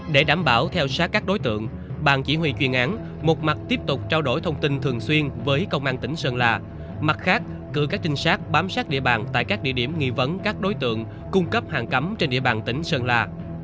để đảm bảo theo sát các đối tượng bàn chỉ huy chuyên án một mặt tiếp tục trao đổi thông tin thường xuyên với công an tỉnh sơn la mặt khác cử các trinh sát bám sát địa bàn tại các địa điểm nghi vấn các đối tượng cung cấp hàng cấm trên địa bàn tỉnh sơn la